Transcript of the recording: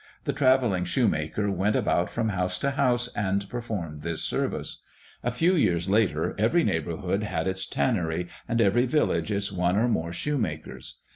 The travelling shoemaker went about from house to house and performed this service. A few years later every neighbourhood had its tannery, and every village its one or more shoemakers.